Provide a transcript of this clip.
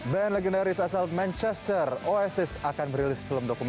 selamat malam mas selamat malam dik